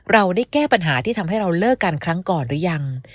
เราได้แก้ปัญหาที่ทำให้เราเลิกกันครั้งก่อนหรือยัง